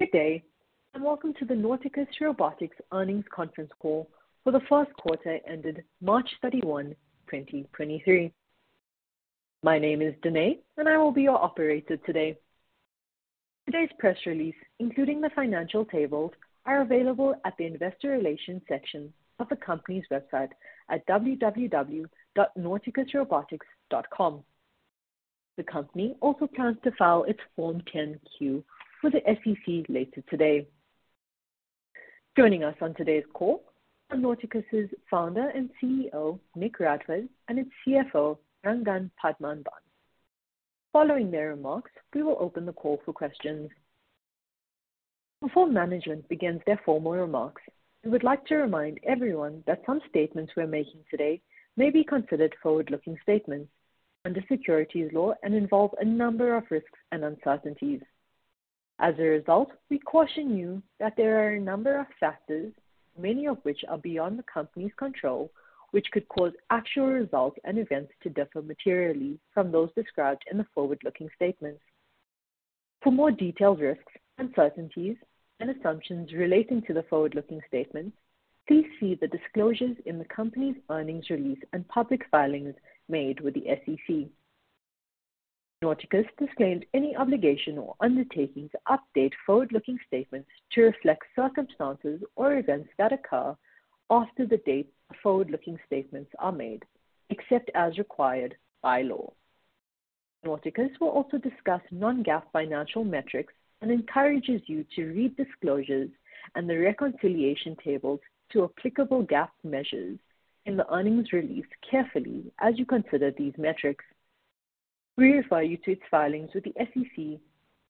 Good day, welcome to the Nauticus Robotics Earnings Conference Call for the first quarter ended March 31, 2023. My name is Danae, and I will be your operator today. Today's press release, including the financial tables, are available at the investor relations section of the company's website at www.nauticusrobotics.com. The company also plans to file its Form 10-Q with the SEC later today. Joining us on today's call are Nauticus founder and CEO, Nic Radford, and its CFO, Rangan Padmanabhan. Following their remarks, we will open the call for questions. Before management begins their formal remarks, we would like to remind everyone that some statements we're making today may be considered forward-looking statements under securities law and involve a number of risks and uncertainties. As a result, we caution you that there are a number of factors, many of which are beyond the company's control, which could cause actual results and events to differ materially from those described in the forward-looking statements. For more detailed risks, uncertainties, and assumptions relating to the forward-looking statements, please see the disclosures in the company's earnings release and public filings made with the SEC. Nauticus disclaims any obligation or undertaking to update forward-looking statements to reflect circumstances or events that occur after the date the forward-looking statements are made, except as required by law. Nauticus will also discuss non-GAAP financial metrics and encourages you to read disclosures and the reconciliation tables to applicable GAAP measures in the earnings release carefully as you consider these metrics. We refer you to its filings with the SEC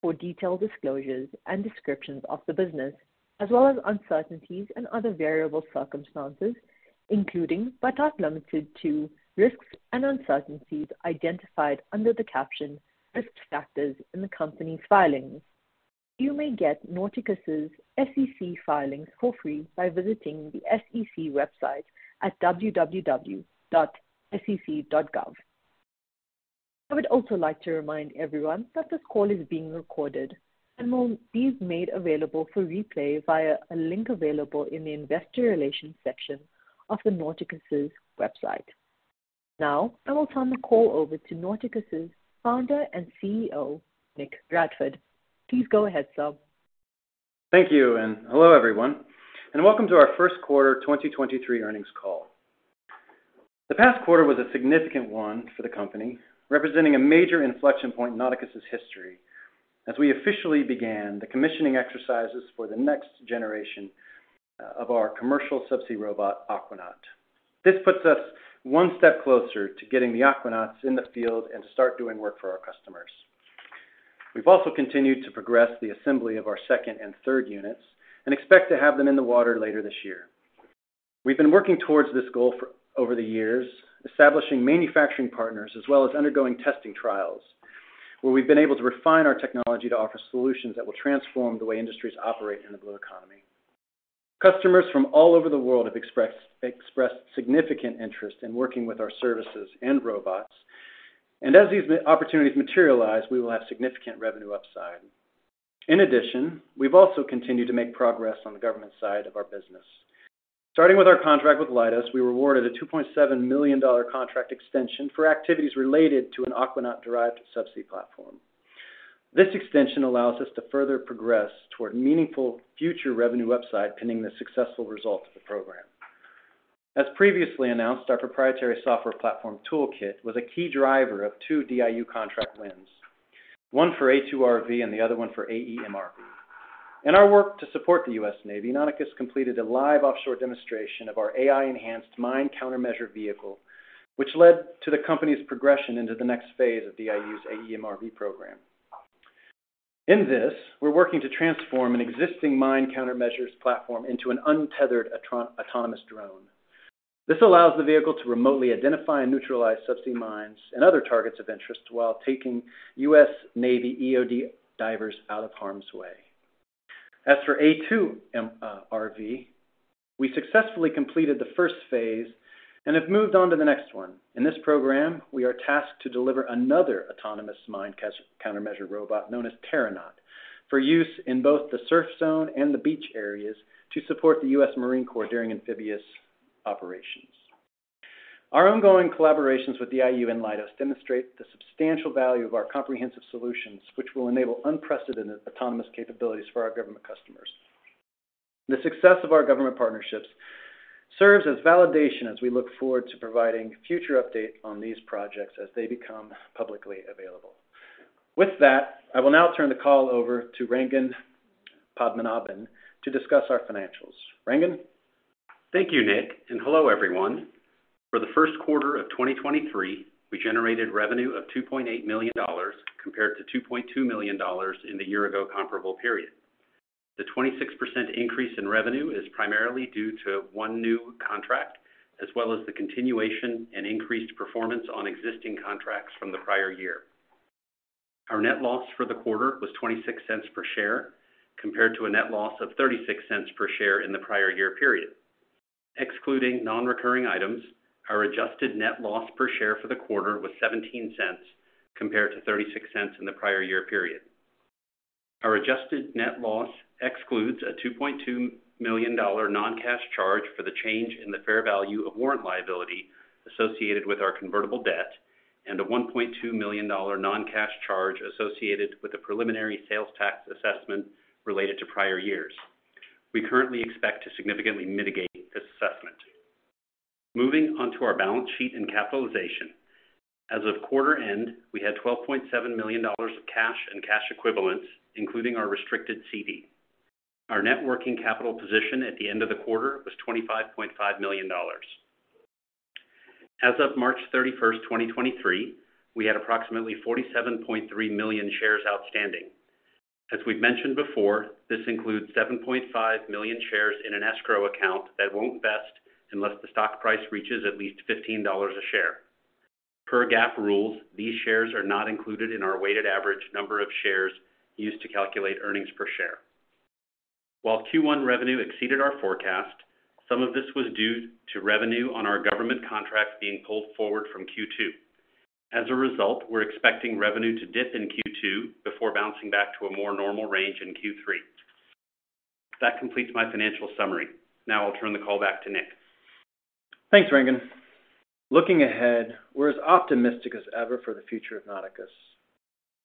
for detailed disclosures and descriptions of the business, as well as uncertainties and other variable circumstances, including, but not limited to, risks and uncertainties identified under the caption Risk Factors in the company's filings. You may get Nauticus SEC filings for free by visiting the SEC website at www.sec.gov. I would also like to remind everyone that this call is being recorded and will be made available for replay via a link available in the investor relations section of the Nauticus website. I will turn the call over to Nauticus Founder and CEO, Nic Radford. Please go ahead, sir. Thank you, hello, everyone, and welcome to our 1st quarter 2023 earnings call. The past quarter was a significant one for the company, representing a major inflection point in Nauticus history as we officially began the commissioning exercises for the next generation of our commercial subsea robot, Aquanaut. This puts us one step closer to getting the Aquanauts in the field and to start doing work for our customers. We've also continued to progress the assembly of our 2nd and 3rd units and expect to have them in the water later this year. We've been working towards this goal for over the years, establishing manufacturing partners, as well as undergoing testing trials, where we've been able to refine our technology to offer solutions that will transform the way industries operate in the blue economy. Customers from all over the world have expressed significant interest in working with our services and robots. As these opportunities materialize, we will have significant revenue upside. In addition, we've also continued to make progress on the government side of our business. Starting with our contract with Leidos, we were awarded a $2.7 million contract extension for activities related to an Aquanaut-derived subsea platform. This extension allows us to further progress toward meaningful future revenue upside pending the successful result of the program. As previously announced, our proprietary software platform ToolKITT was a key driver of two DIU contract wins, one for A2RV and the other one for AEMRV. In our work to support the U.S. Navy, Nauticus completed a live offshore demonstration of our AI-enhanced mine countermeasure vehicle, which led to the company's progression into the next phase of the DIU's AEMRV program. In this, we're working to transform an existing mine countermeasures platform into an untethered autonomous drone. This allows the vehicle to remotely identify and neutralize subsea mines and other targets of interest while taking U.S. Navy EOD divers out of harm's way. As for A2RV, we successfully completed the first phase and have moved on to the next one. In this program, we are tasked to deliver another autonomous mine countermeasure robot known as Terranaut for use in both the surf zone and the beach areas to support the U.S. Marine Corps during amphibious operations. Our ongoing collaborations with DIU and Leidos demonstrate the substantial value of our comprehensive solutions, which will enable unprecedented autonomous capabilities for our government customers. The success of our government partnerships serves as validation as we look forward to providing future updates on these projects as they become publicly available. With that, I will now turn the call over to Rangan Padmanabhan to discuss our financials. Rangan. Thank you, Nic, hello, everyone. For the first quarter of 2023, we generated revenue of $2.8 million compared to $2.2 million in the year ago comparable period. The 26% increase in revenue is primarily due to one new contract, as well as the continuation and increased performance on existing contracts from the prior year. Our net loss for the quarter was $0.26 per share, compared to a net loss of $0.36 per share in the prior year period. Excluding non-recurring items, our adjusted net loss per share for the quarter was $0.17 compared to $0.36 in the prior year period. Our adjusted net loss excludes a $2.2 million non-cash charge for the change in the fair value of warrant liability associated with our convertible debt and a $1.2 million non-cash charge associated with the preliminary sales tax assessment related to prior years. We currently expect to significantly mitigate this assessment. Moving on to our balance sheet and capitalization. As of quarter end, we had $12.7 million of cash and cash equivalents, including our restricted CD. Our net working capital position at the end of the quarter was $25.5 million. As of March 31, 2023, we had approximately $47.3 million shares outstanding. As we've mentioned before, this includes $7.5 million shares in an escrow account that won't vest unless the stock price reaches at least $15 a share. Per GAAP rules, these shares are not included in our weighted average number of shares used to calculate earnings per share. While Q1 revenue exceeded our forecast, some of this was due to revenue on our government contracts being pulled forward from Q2. As a result, we're expecting revenue to dip in Q2 before bouncing back to a more normal range in Q3. That completes my financial summary. Now I'll turn the call back to Nic. Thanks, Rangan. Looking ahead, we're as optimistic as ever for the future of Nauticus.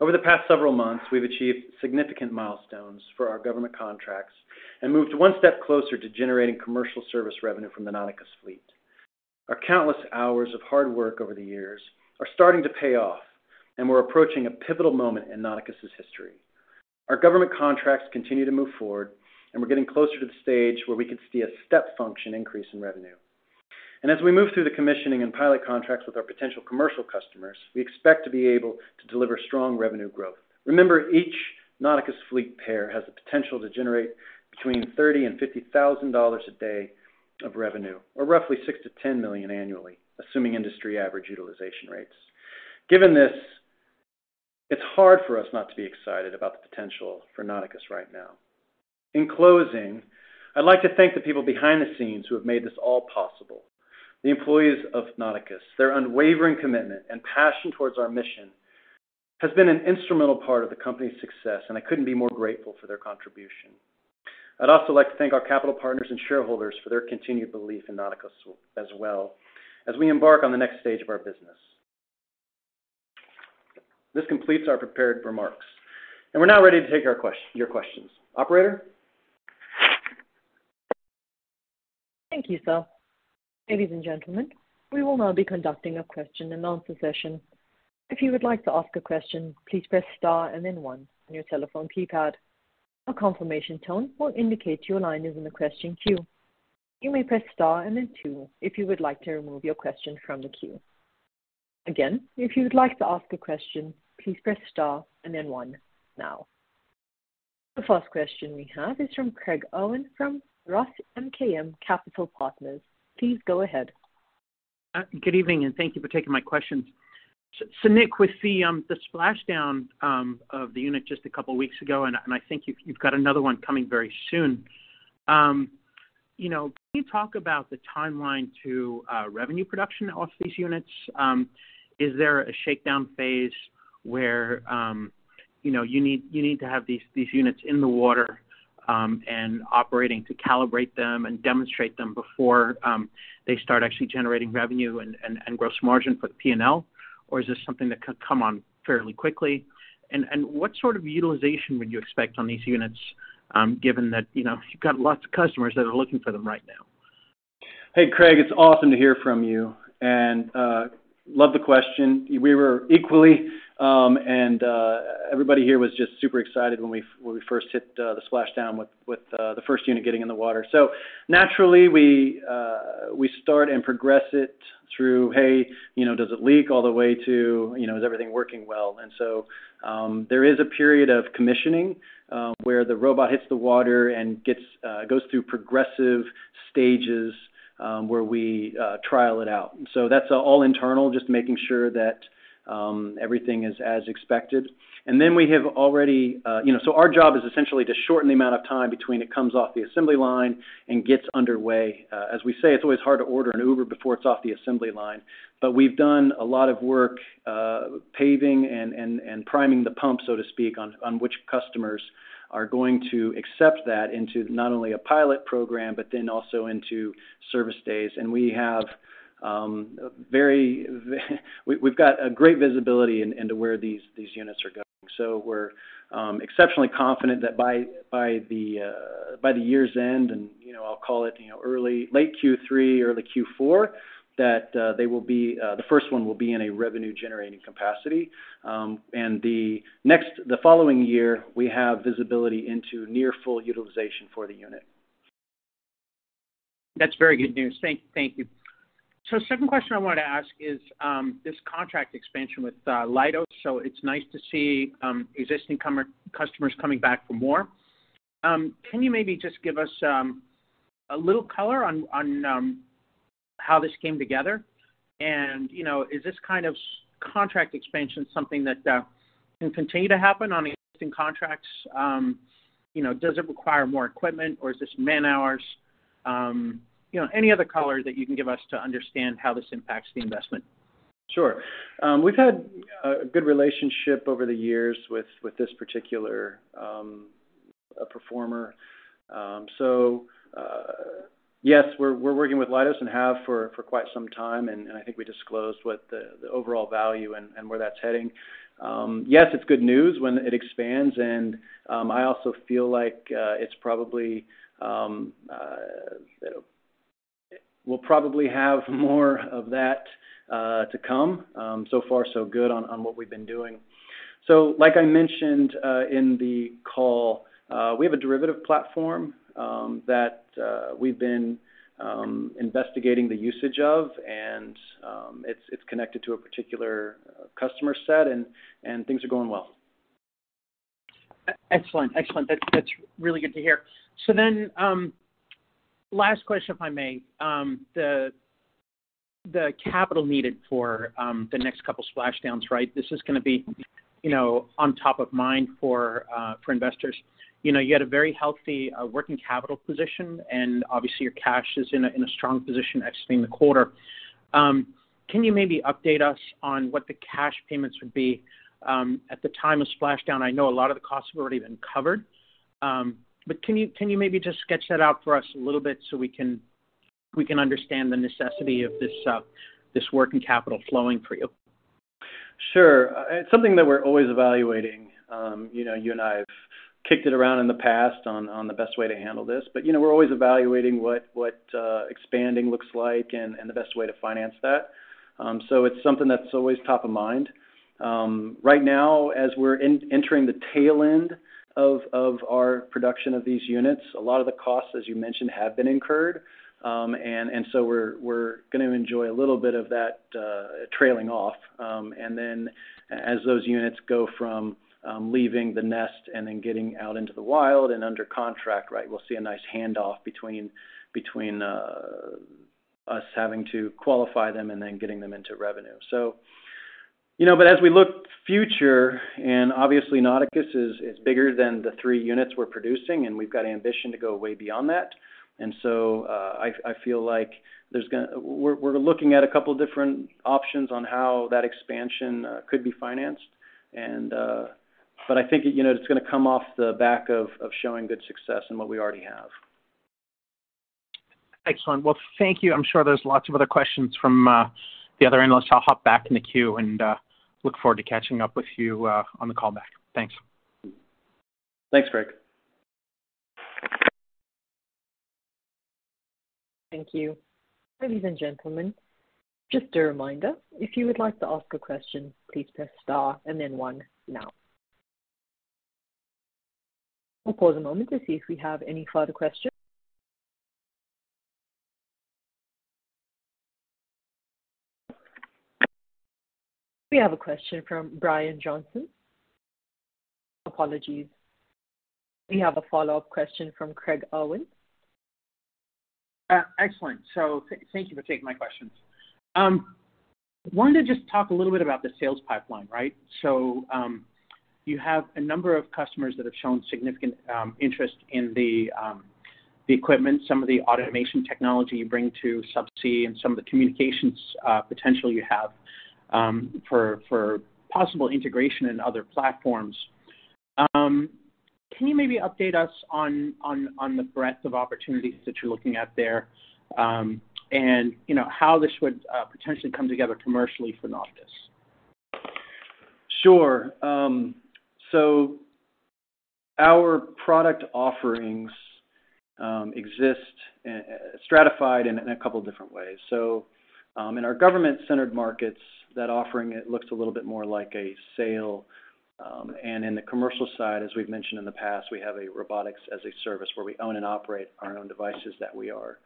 Over the past several months, we've achieved significant milestones for our government contracts and moved one step closer to generating commercial service revenue from the Nauticus fleet. Our countless hours of hard work over the years are starting to pay off. We're approaching a pivitoal moment in Nauticus's history. Our government contracts continue to move forward. We're getting closer to the stage where we could see a step function increase in revenue. As we move through the commissioning and pilot contracts with our potential commercial customers, we expect to be able to deliver strong revenue growth. Remember, each Nauticus fleet pair has the potential to generate between $30,000 and $50,000 a day of revenue, or roughly $6 million-$10 million annually, assuming industry average utilization rates. Given this, it's hard for us not to be excited about the potential for Nauticus right now. In closing, I'd like to thank the people behind the scenes who have made this all possible. The employees of Nauticus, their unwavering commitment and passion towards our mission has been an instrumental part of the company's success, and I couldn't be more grateful for their contribution. I'd also like to thank our capital partners and shareholders for their continued belief in Nauticus as well as we embark on the next stage of our business. This completes our prepared remarks, and we're now ready to take your questions. Operator? Thank you, sir. Ladies and gentlemen, we will now be conducting a question and answer session. The first question we have is from Craig Irwin from ROTH MKM. Please go ahead. Good evening, thank you for taking my questions. Nic, with the splash down of the unit just a couple weeks ago, and I think you've got another one coming very soon, you know, can you talk about the timeline to revenue production off these units? Is there a shakedown phase where, you know, you need to have these units in the water, and operating to calibrate them and demonstrate them before they start actually generating revenue and gross margin for the P&L? Is this something that could come on fairly quickly? What sort of utilization would you expect on these units, given that, you know, you've got lots of customers that are looking for them right now? Hey, Craig, it's awesome to hear from you, love the question. We were equally, everybody here was just super excited when we first hit the splash down with the first unit getting in the water. Naturally we start and progress it through, hey, you know, does it leak? All the way to, you know, is everything working well? There is a period of commissioning where the robot hits the water and goes through progressive stages where we trial it out. That's all internal, just making sure that everything is as expected. We have already. You know, our job is essentially to shorten the amount of time between it comes off the assembly line and gets underway. As we say, it's always hard to order an Uber before it's off the assembly line. We've done a lot of work, paving and priming the pump, so to speak, on which customers are going to accept that into not only a pilot program, but then also into service days. We've got a great visibility into where these units are going. We're exceptionally confident that by the year's end and, you know, I'll call it, you know, late Q3, early Q4, that they will be the first one will be in a revenue-generating capacity. The following year, we have visibility into near full utilization for the unit. That's very good news. Thank you. Second question I wanted to ask is, this contract expansion with Leidos. It's Nice to see existing customers coming back for more. Can you maybe just give us a little color on how this came together and, you know, is this kind of contract expansion something that can continue to happen on existing contracts? You know, does it require more equipment or is this man-hours? You know, any other color that you can give us to understand how this impacts the investment? Sure. We've had a good relationship over the years with this particular performer. Yes, we're working with Leidos and have for quite some time, and I think we disclosed what the overall value and where that's heading. Yes, it's good news when it expands and I also feel like it's probably we'll probably have more of that to come. So far so good on what we've been doing. Like I mentioned, in the call, we have a derivative platform that we've been investigating the usage of, and it's connected to a particular customer set and things are going well. Excellent. Excellent. That's really good to hear. Last question, if I may. The capital needed for the next couple splashdowns, right? This is gonna be, you know, on top of mind for investors. You know, you had a very healthy working capital position, and obviously, your cash is in a strong position exiting the quarter. Can you maybe update us on what the cash payments would be at the time of splashdown? I know a lot of the costs have already been covered, but can you maybe just sketch that out for us a little bit so we can understand the necessity of this working capital flowing for you? Sure. It's something that we're always evaluating. You know, you and I have kicked it around in the past on the best way to handle this. You know, we're always evaluating what expanding looks like and the best way to finance that. It's something that's always top of mind. Right now, as we're entering the tail end of our production of these units, a lot of the costs, as you mentioned, have been incurred. We're gonna enjoy a little bit of that trailing off. Then as those units go from leaving the nest and then getting out into the wild and under contract, right, we'll see a Nice handoff between us having to qualify them and then getting them into revenue. You know, as we look future, and obviously Nauticus is bigger than the three units we're producing, and we've got ambition to go way beyond that. I feel like we're looking at a couple different options on how that expansion could be financed. I think, you know, it's gonna come off the back of showing good success in what we already have. Excellent. Well, thank you. I'm sure there's lots of other questions from the other analysts. I'll hop back in the queue and look forward to catching up with you on the call back. Thanks. Thanks, Craig. Thank you. Ladies and gentlemen, just a reminder, if you would like to ask a question, please press star and then one now. I'll pause a moment to see if we have any further questions. We have a question from Brian Johnson. Apologies. We have a follow-up question from Craig Irwin. Excellent. Thank you for taking my questions. Wanted to just talk a little bit about the sales pipeline, right? You have a number of customers that have shown significant interest in the equipment, some of the automation technology you bring to subsea and some of the commuNications potential you have for possible integration in other platforms. Can you maybe update us on the breadth of opportunities that you're looking at there, and, you know, how this would potentially come together commercially for Nauticus? Sure. Our product offerings, stratified in a couple different ways. In our government-centered markets, that offering looks a little bit more like a sale, and in the commercial side, as we've mentioned in the past, we have a Robotics as a Service where we own and operate our own devices that we are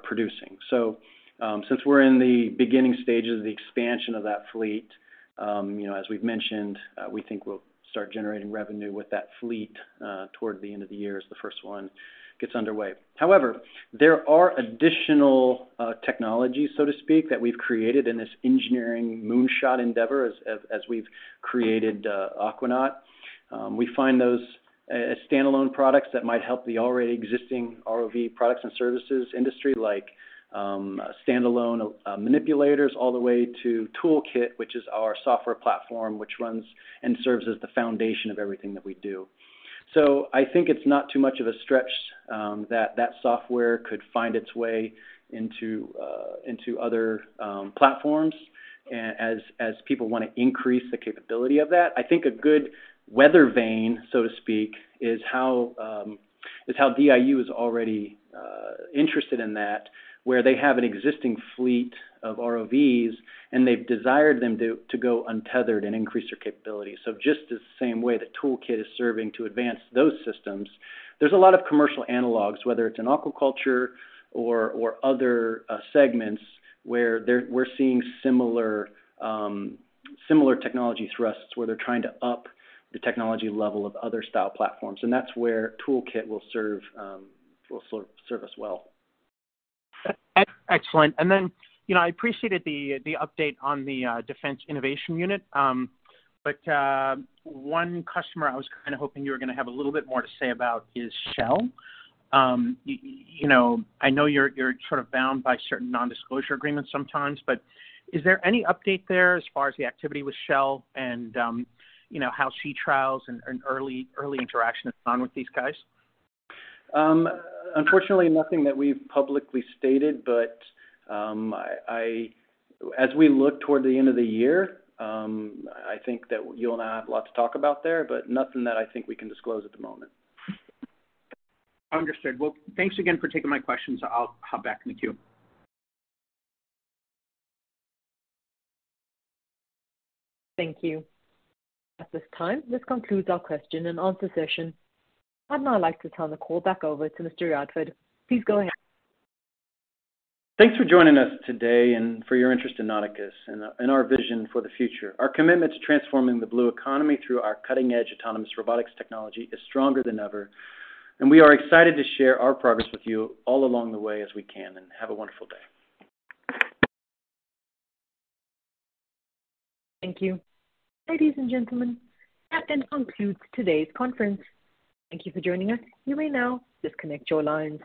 producing. Since we're in the beginning stages of the expansion of that fleet, you know, as we've mentioned, we think we'll start generating revenue with that fleet toward the end of the year as the first one gets underway. However, there are additional technologies, so to speak, that we've created in this engineering moonshot endeavor as we've created Aquanaut. We find those a standalone products that might help the already existing ROV products and services industry like standalone manipulators, all the way to ToolKITT, which is our software platform, which runs and serves as the foundation of everything that we do. I think it's not too much of a stretch that that software could find its way into other platforms as people wanna increase the capability of that. I think a good weather vane, so to speak, is how DIU is already interested in that, where they have an existing fleet of ROVs, and they've desired them to go untethered and increase their capability. Just the same way that ToolKITT is serving to advance those systems, there's a lot of commercial analogs, whether it's in aquaculture or other segments where we're seeing similar technology thrusts where they're trying to up the technology level of other style platforms, that's where ToolKITT will serve us well. Excellent. Then, you know, I appreciated the update on the Defense Innovation Unit. One customer I was kinda hoping you were gonna have a little bit more to say about is Shell. You know, I know you're sort of bound by certain non-disclosure agreements sometimes, but is there any update there as far as the activity with Shell and, you know, how sea trials and early interaction has gone with these guys? Unfortunately, nothing that we've publicly stated, but I as we look toward the end of the year, I think that you and I have a lot to talk about there, but nothing that I think we can disclose at the moment. Understood. Well, thanks again for taking my questions. I'll hop back in the queue. Thank you. At this time, this concludes our question and answer session. I'd now like to turn the call back over to Nic Radford. Please go ahead. Thanks for joining us today and for your interest in Nauticus and our vision for the future. Our commitment to transforming the blue economy through our cutting-edge autonomous robotics technology is stronger than ever, and we are excited to share our progress with you all along the way as we can. Have a wonderful day. Thank you. Ladies and gentlemen, that then concludes today's conference. Thank you for joining us. You may now disconnect your lines.